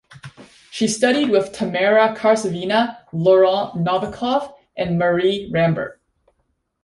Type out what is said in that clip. She studied with Tamara Karsavina, Laurent Novikoff and Marie Rambert.